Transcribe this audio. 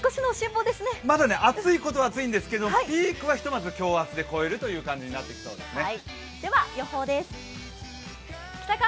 まだ暑いことは暑いんですけど、ピークはひとまず今日明日で超えるということですね。